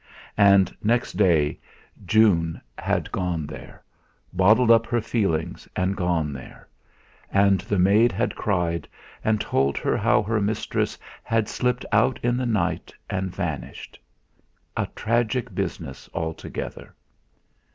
And next day June had gone there bottled up her feelings and gone there, and the maid had cried and told her how her mistress had slipped out in the night and vanished. A tragic business altogether!